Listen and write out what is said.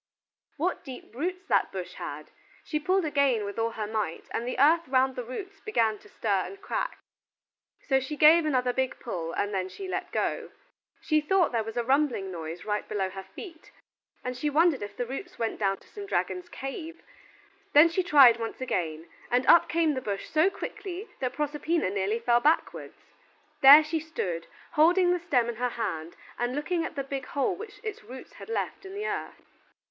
What deep roots that bush had! She pulled again with all her might, and the earth round the roots began to stir and crack, so she gave another big pull, and then she let go. She thought there was a rumbling noise right below her feet, and she wondered if the roots went down to some dragon's cave. Then she tried once again, and up came the bush so quickly that Proserpina nearly fell backwards. There she stood, holding the stem in her hand and looking at the big hole which its roots had left in the earth.